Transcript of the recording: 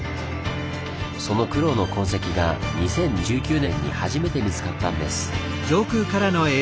その苦労の痕跡が２０１９年に初めて見つかったんです。